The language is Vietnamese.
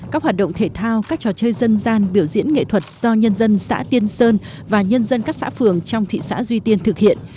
các hoạt động thể thao các trò chơi dân gian biểu diễn nghệ thuật do nhân dân xã tiên sơn và nhân dân các xã phường trong thị xã duy tiên thực hiện